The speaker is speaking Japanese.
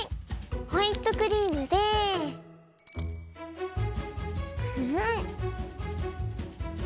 ホイップクリームでくるん。